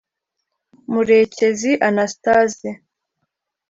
Murekezi Anastase